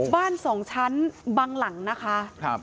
บ้านสองชั้นบางหลังนะคะ